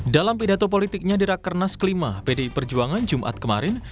dalam pidato politiknya di rakernas ke lima pd perjuangan jumat kemarin